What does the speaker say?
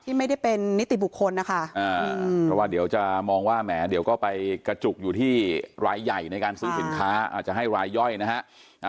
ไม่ได้เป็นนิติบุคคลนะคะเพราะว่าเดี๋ยวจะมองว่าแหมเดี๋ยวก็ไปกระจุกอยู่ที่รายใหญ่ในการซื้อสินค้าอาจจะให้รายย่อยนะฮะ